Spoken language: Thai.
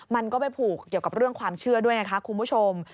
มันก็ไปผูกเกี่ยวกับเรื่องความเชื่อด้วยไงคะคุณผู้ชม